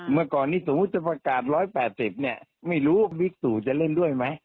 เมื่อก่อนนี้สมมุติจะประกาศ๑๘๐เนี่ยไม่รู้บิ๊กตู่จะเล่นด้วยไหม